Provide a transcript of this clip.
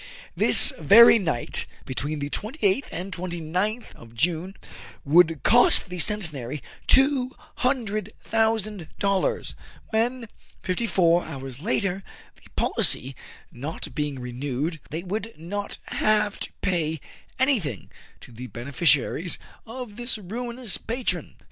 This very night, between the 28th and 29th of June, would cost the Centenary two hundred thou sand dollars, when, fifty four hours later, the policy not being renewed, they would not have to pay any thing to the beneficiaries of this ruinous patron.